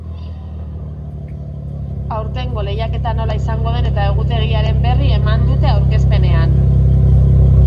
Aurtengo lehiaketa nola izango den eta egutegiaren berri eman dute aurkezpenean.